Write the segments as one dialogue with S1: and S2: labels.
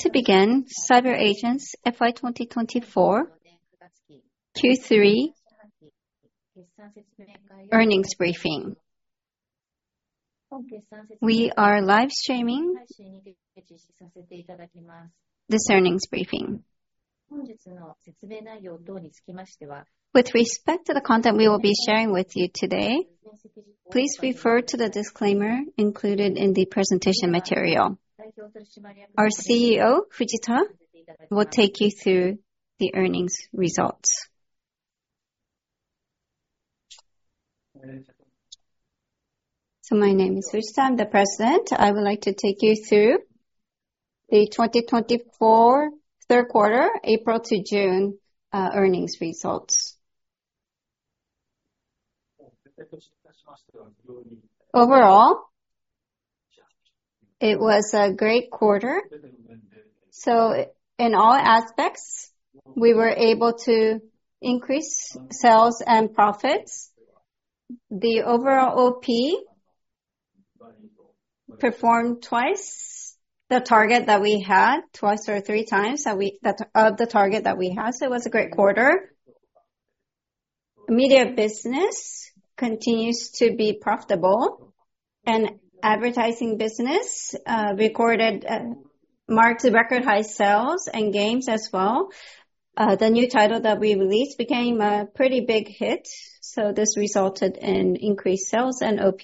S1: To begin, CyberAgent's FY2024 Q3 earnings briefing. We are live streaming this earnings briefing. With respect to the content we will be sharing with you today, please refer to the disclaimer included in the presentation material. Our CEO, Fujita, will take you through the earnings results. So my name is Fujita, I'm the president. I would like to take you through the 2024 Q3 April to June earnings results. Overall, it was a great quarter, so in all aspects, we were able to increase sales and profits. The overall OP performed twice the target that we had, twice or three times of the target that we had. So it was a great quarter. Media business continues to be profitable, and advertising business recorded marked record high sales, and games as well. The new title that we released became a pretty big hit, so this resulted in increased sales and OP.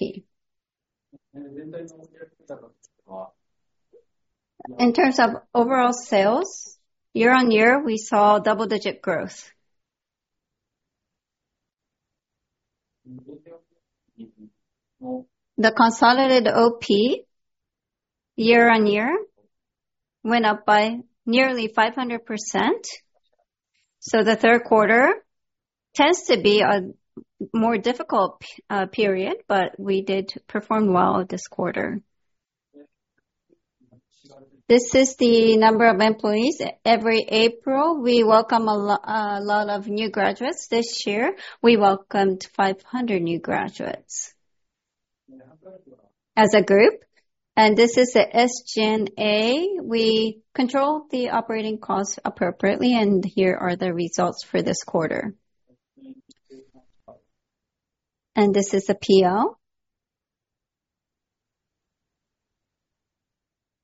S1: In terms of overall sales, year-on-year, we saw double-digit growth. The consolidated OP, year-on-year, went up by nearly 500%. So the Q3 tends to be a more difficult period, but we did perform well this quarter. This is the number of employees. Every April, we welcome a lot of new graduates. This year, we welcomed 500 new graduates as a group, and this is the SG&A. We control the operating costs appropriately, and here are the results for this quarter. This is the PL.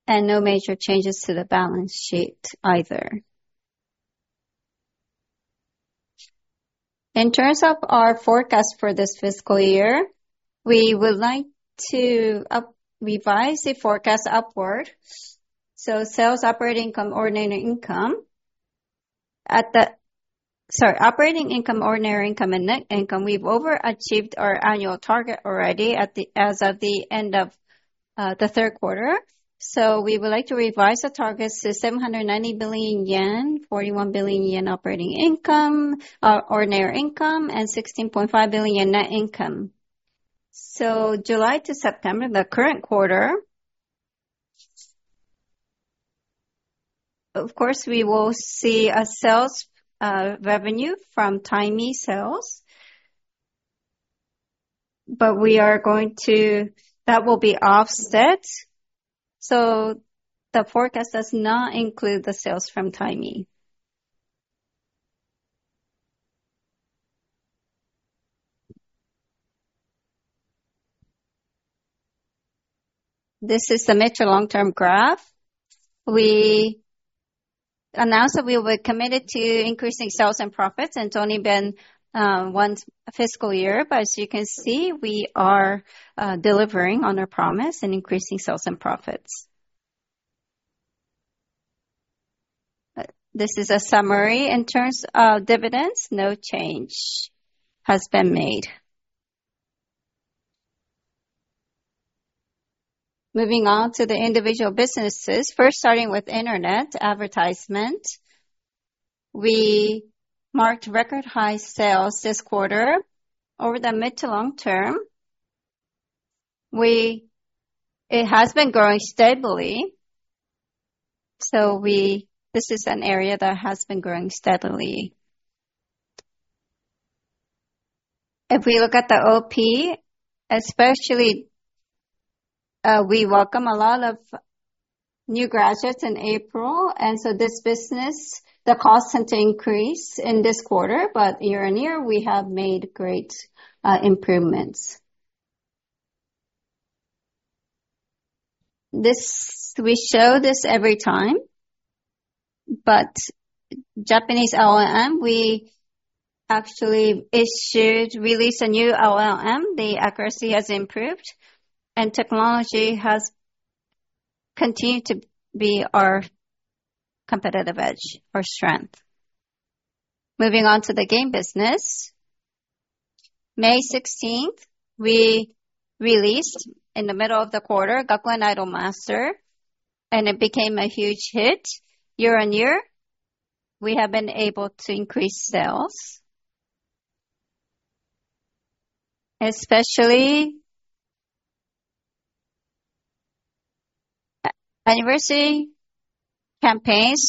S1: No major changes to the balance sheet either. In terms of our forecast for this fiscal year, we would like to revise the forecast upward. So sales, operating income, ordinary income. At the... Sorry, operating income, ordinary income, and net income. We've overachieved our annual target already, as of the end of the Q3. So we would like to revise the targets to 790 billion yen, 41 billion yen operating income, ordinary income, and 16.5 billion yen net income. So July to September, the current quarter, of course, we will see a sales revenue from Timee sales, but that will be offset. So the forecast does not include the sales from Timee. This is the mid-to-long term graph. We announced that we were committed to increasing sales and profits, and it's only been one fiscal year, but as you can see, we are delivering on our promise and increasing sales and profits. This is a summary. In terms of dividends, no change has been made. Moving on to the individual businesses. First, starting with internet advertisement, we marked record high sales this quarter. Over the mid-to-long term, it has been growing steadily, so this is an area that has been growing steadily. If we look at the OP, especially, we welcome a lot of new graduates in April, and so this business, the costs tend to increase in this quarter, but year-on-year, we have made great improvements. This, we show this every time, but Japanese LLM, we actually issued, released a new LLM. The accuracy has improved, and technology has continued to be our competitive edge or strength. Moving on to the game business. May 16th, we released, in the middle of the quarter, Gakuen Idolmaster, and it became a huge hit. Year-on-year, we have been able to increase sales, especially anniversary campaigns...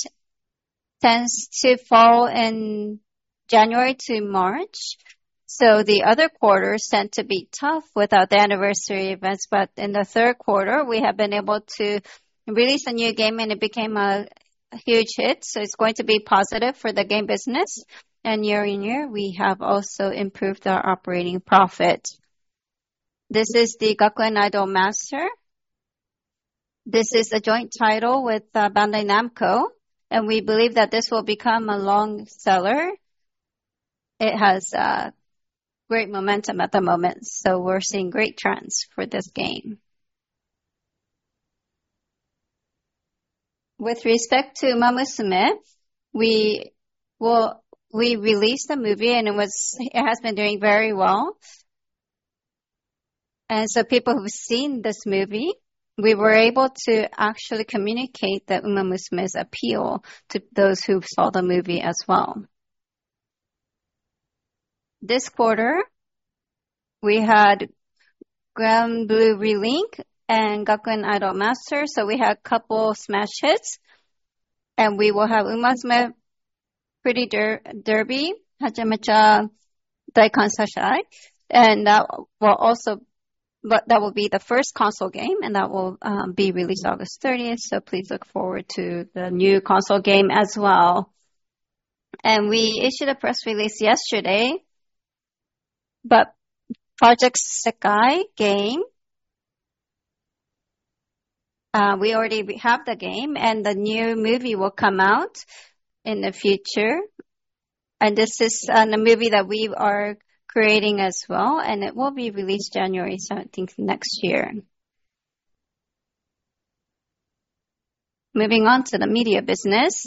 S1: tends to fall in January to March, so the other quarters tend to be tough without the anniversary events. But in the third quarter, we have been able to release a new game, and it became a huge hit, so it's going to be positive for the game business. And year-on-year, we have also improved our operating profit. This is the Gakuen Idolmaster. This is a joint title with Bandai Namco, and we believe that this will become a long seller. It has great momentum at the moment, so we're seeing great trends for this game. With respect to Uma Musume, we released a movie and it has been doing very well. And so people who've seen this movie, we were able to actually communicate the Uma Musume's appeal to those who saw the movie as well. This quarter, we had Granblue Relink and Gakuen Idolmaster, so we had a couple smash hits. We will have Uma Musume Pretty Derby: Nekketsu Hacha-Mecha Daikansha Sai!, and, we're also but that will be the first console game, and that will, be released August 13th. So please look forward to the new console game as well. We issued a press release yesterday, but Project Sekai game, we already have the game, and the new movie will come out in the future. This is, the movie that we are creating as well, and it will be released January 17th next year. Moving on to the media business.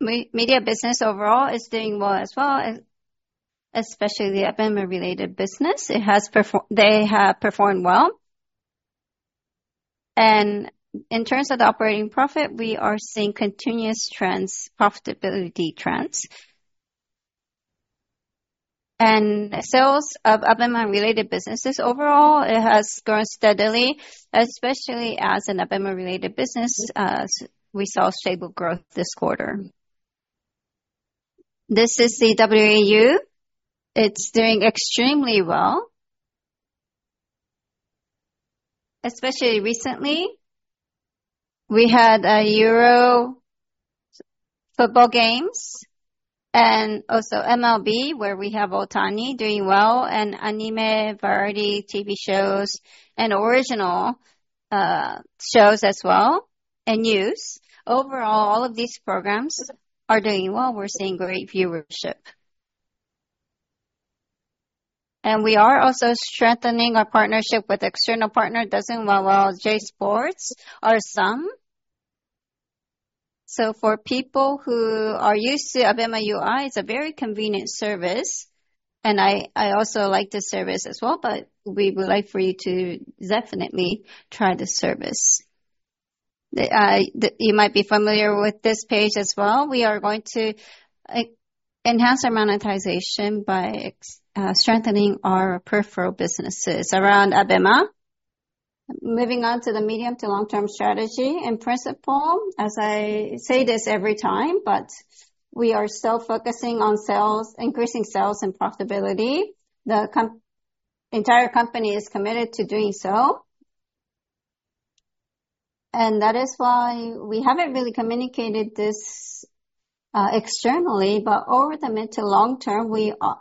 S1: Media business overall is doing well as well, especially the ABEMA-related business. They have performed well. In terms of the operating profit, we are seeing continuous trends, profitability trends. And sales of ABEMA-related businesses overall, it has grown steadily, especially as an ABEMA-related business, we saw stable growth this quarter. This is the WAU. It's doing extremely well. Especially recently, we had, Euro football games and also MLB, where we have Ohtani doing well, and anime, variety TV shows, and original, shows as well, and news. Overall, all of these programs are doing well. We're seeing great viewership. And we are also strengthening our partnership with external partner, such as WOWOW, J SPORTS, are some. So for people who are used to ABEMA UI, it's a very convenient service, and I, I also like this service as well, but we would like for you to definitely try this service. The, the... You might be familiar with this page as well. We are going to enhance our monetization by strengthening our peripheral businesses around ABEMA. Moving on to the medium to long-term strategy and principle, as I say this every time, but we are still focusing on sales, increasing sales and profitability. The entire company is committed to doing so. And that is why we haven't really communicated this externally, but over the mid to long term, we are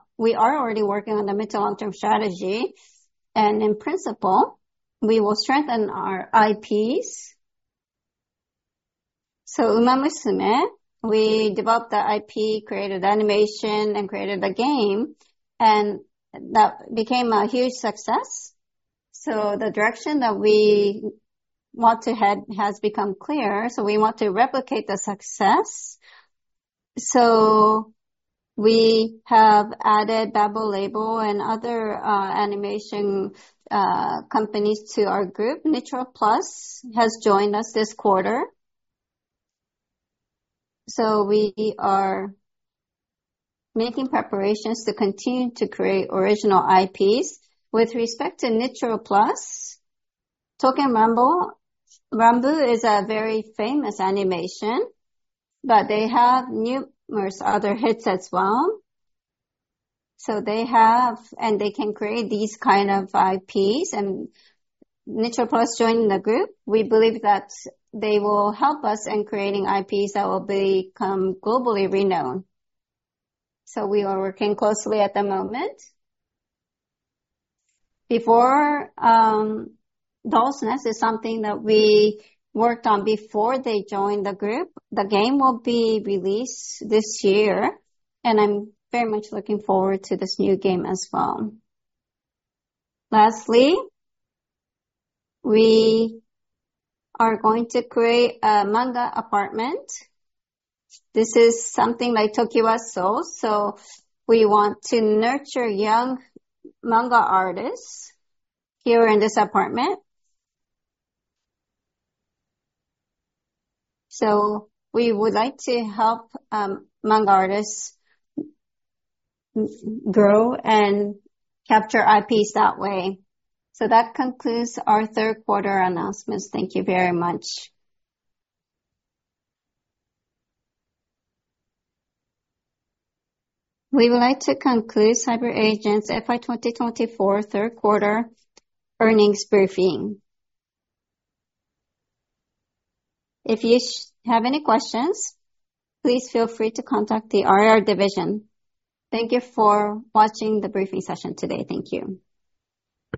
S1: already working on the mid to long-term strategy, and in principle, we will strengthen our IPs. So Uma Musume, we developed the IP, created animation, and created the game, and that became a huge success. So the direction that we want to head has become clear, so we want to replicate the success. So we have added BABEL LABEL and other animation companies to our group. Nitroplus has joined us this quarter. So we are making preparations to continue to create original IPs. With respect to Nitroplus, Touken Ranbu, Ranbu is a very famous animation, but they have numerous other hits as well. So they have... And they can create these kind of IPs, and Nitroplus joining the group, we believe that they will help us in creating IPs that will become globally renowned. So we are working closely at the moment. Before, Dolls nest is something that we worked on before they joined the group. The game will be released this year, and I'm very much looking forward to this new game as well. Lastly, we are going to create a manga apartment. This is something like Tokiwa-so, so we want to nurture young manga artists here in this apartment. So we would like to help, manga artists grow and capture IPs that way. So that concludes our Q3 announcements. Thank you very much. We would like to conclude CyberAgent's FY 2024 third quarter earnings briefing. If you have any questions, please feel free to contact the IR division. Thank you for watching the briefing session today. Thank you.